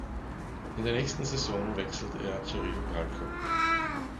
In der nächsten Saison wechselte er zu Rio Branco.